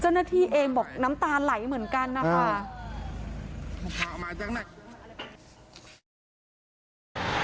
เจ้าหน้าที่เองบอกน้ำตาไหลเหมือนกันนะคะ